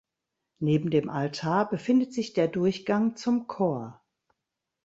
Neben dem Altar befindet sich der Durchgang zum Chor.